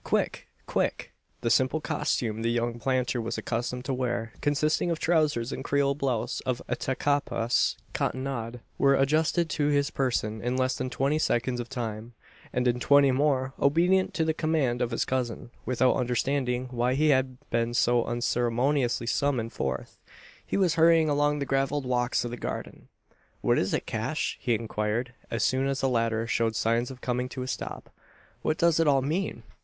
Quick! Quick!" The simple costume the young planter was accustomed to wear, consisting of trousers and Creole blouse of Attakapas cottonade, were adjusted to his person in less than twenty seconds of time; and in twenty more, obedient to the command of his cousin without understanding why he had been so unceremoniously summoned forth he was hurrying along the gravelled walks of the garden. "What is it, Cash?" he inquired, as soon as the latter showed signs of coming to a stop. "What does it all mean?"